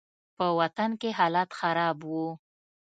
په وطن کښې حالات خراب وو.